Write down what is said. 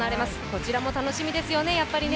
こちらも楽しみですよね、やっぱりね。